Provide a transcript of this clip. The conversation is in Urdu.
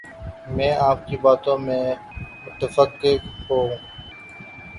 میں آپ کی باتوں سے متفق ہوں